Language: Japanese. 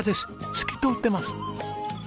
透き通ってます。